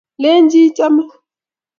lechi ichame